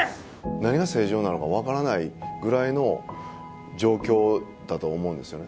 何が正常なのか分からないぐらいの状況だと思うんですよね